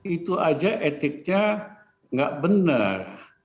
itu saja etiknya enggak benar